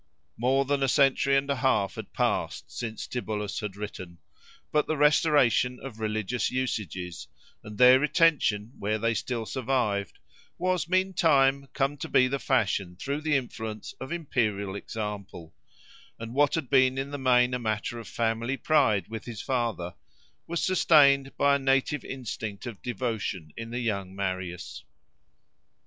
More than a century and a half had past since Tibullus had written; but the restoration of religious usages, and their retention where they still survived, was meantime come to be the fashion through the influence of imperial example; and what had been in the main a matter of family pride with his father, was sustained by a native instinct of devotion in the young Marius.